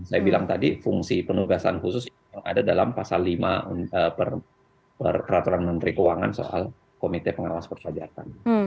saya bilang tadi fungsi penugasan khusus yang ada dalam pasal lima peraturan menteri keuangan soal komite pengawas perpajatan